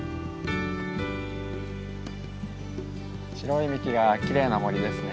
白い幹がきれいな森ですね。